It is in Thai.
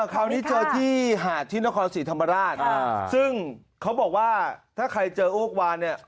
คราวนี้เจอที่หาดที่นครศรีธรรมราชซึ่งเขาบอกว่าถ้าใครเจอโอ๊ควานเนี่ย